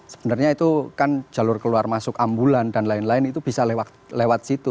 sebenarnya itu kan jalur keluar masuk ambulan dan lain lain itu bisa lewat situ